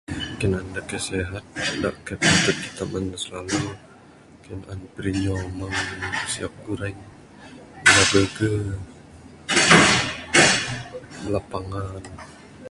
Kayuh naan da kaik sihat da kaik patut kita maan ne silalu, kayuh naan birinyo meng siok gureng, bala burger, bala pangan.